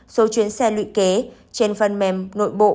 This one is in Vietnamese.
số chuyến xe luyện kế trên phần mềm nội bộ